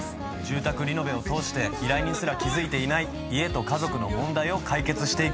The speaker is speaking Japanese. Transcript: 住宅リノベを通して依頼人すら気付いていない家と家族の問題を解決していく。